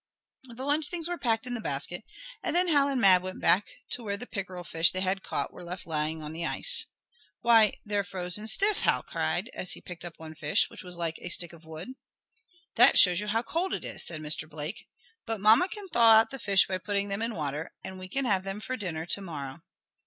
The lunch things were packed in the basket, and then Hal and Mab went back to where the pickerel fish they had caught were left lying on the ice. "Why, they're frozen stiff!" Hal cried, as he picked up one fish, which was like a stick of wood. "That shows you how cold it is," said Mr. Blake. "But mamma can thaw out the fish by putting them in water, and we can have them for dinner to morrow."